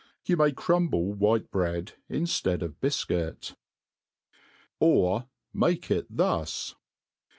You may crumble white bread in« fiead of bifcuit* Or ma\e it Horn.